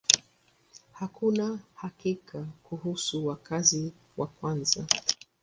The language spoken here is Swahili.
Hakuna hakika kuhusu wakazi wa kwanza.